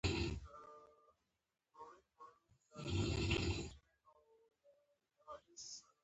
دا بار د اریانا افغان هوایي شرکت الوتکې ګودام ته ځي.